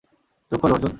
চোখ খোলো, অর্জুন!